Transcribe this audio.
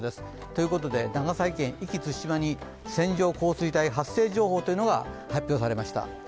ということで、長崎県壱岐・対馬に線状降水帯発生情報が発表されました。